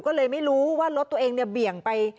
ก็เลยไม่รู้ว่ารถตัวเองเนี่ยเบี่ยงไป